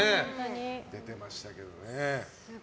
出てましたけどね。